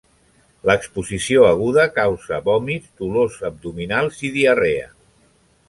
L’exposició aguda causa vòmits, dolors abdominals i diarrea.